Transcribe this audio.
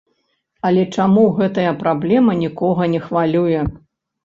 Але чаму гэтая праблема нікога не хвалюе?